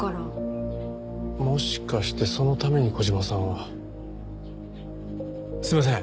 もしかしてそのために小島さんは。すいません。